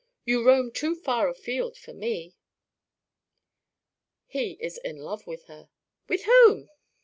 "You roam too far afield for me." "He is in love with her." "With whom?"